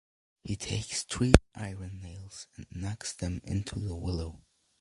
He takes three iron nails and knocks them into the willow.